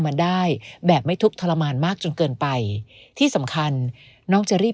มันได้แบบไม่ทุกข์ทรมานมากจนเกินไปที่สำคัญน้องจะรีบ